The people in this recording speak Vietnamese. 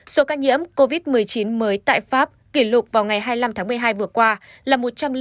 số ca nhiễm covid một mươi chín mới tại pháp kỷ lục vào ngày hai mươi năm tháng một mươi hai vừa qua là một trăm linh bốn sáu trăm một mươi một